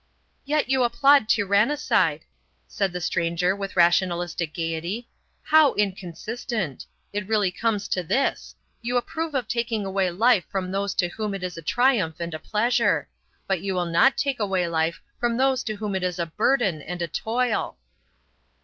"Yet you applaud tyrannicide," said the stranger with rationalistic gaiety. "How inconsistent! It really comes to this: You approve of taking away life from those to whom it is a triumph and a pleasure. But you will not take away life from those to whom it is a burden and a toil."